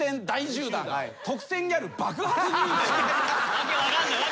訳分かんない。